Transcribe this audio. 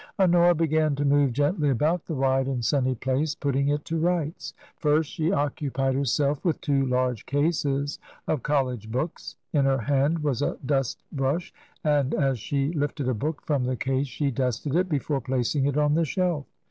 Honora began to move gently about the wide and sunny place putting it to rights. First she occupied lo TRANSITION. herself with two large cases of college books. In her hand was a dust brush, and as she lifted a book from the case she dusted it before placing it on the shelf.